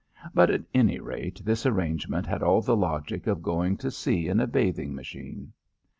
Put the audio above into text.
But at any rate, this arrangement had all the logic of going to sea in a bathing machine.